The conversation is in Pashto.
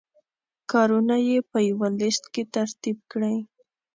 کارونه یې په یوه لست کې ترتیب کړئ.